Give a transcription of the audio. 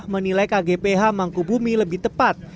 menilai kgph mangkubumi lebih tepat